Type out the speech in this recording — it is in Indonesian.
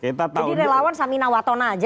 jadi relawan samina watona saja